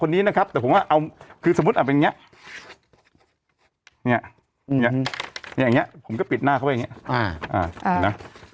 คนนี้นะครับแต่ผมว่าเอาคือสมมติเป็นอย่างเนี้ยผมก็ปิดหน้าเขาไปอย่างเนี้ย